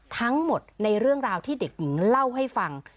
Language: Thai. ทั้งหมดในเรื่องราวที่เด็กหญิงเล่าให้ฟัง